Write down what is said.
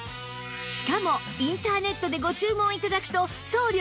しかもインターネットでご注文頂くと送料無料です